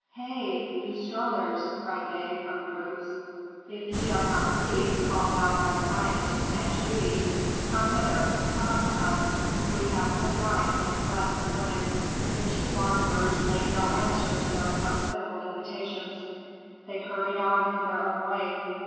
"Hei, ye strollers!" cried they, from the roofs. "If ye are not thieves called out by the night to snatch booty, come hither, come up to us. We have good wine and gladsome women." The two wanderers made no answer to those hospitable invitations; they hurried on in their own way.